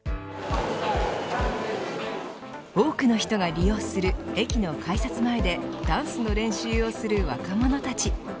多くの人が利用する駅の改札前でダンスの練習をする若者たち。